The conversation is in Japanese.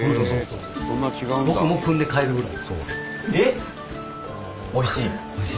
僕もくんで帰るぐらい。